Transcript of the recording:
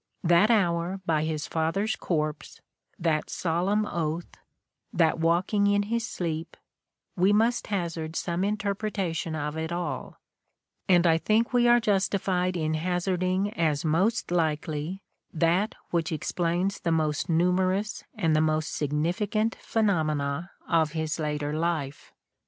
That hour by his father's corpse, that solemn oath, that walking in his sleep — ^we must hazard some interpretation of it all, and I think we are justified in hazarding as most likely that which explains the most numerous and the most signifi cant phenomena of his later life.